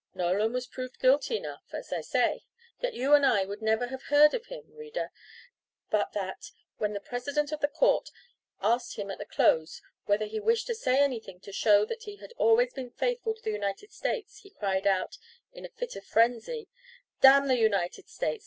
Nolan was proved guilty enough, as I say; yet you and I would never have heard of him, reader, but that, when the president of the court asked him at the close whether he wished to say anything to show that he had always been faithful to the United States, he cried out, in a fit of frenzy "Damn the United States!